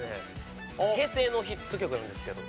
平成のヒット曲なんですけど。